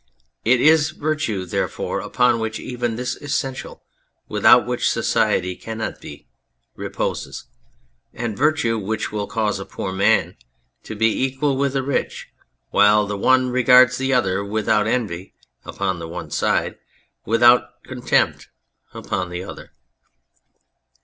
It is Virtue, therefore, upon which even this essential, without which society cannot be, reposes. And Virtue which will cause a poor man to be equal with the rich, while the one regards the other without envy upon the one side, without contempt upon the other."